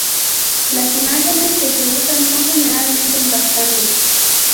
Las imágenes que se usan son generalmente impactantes.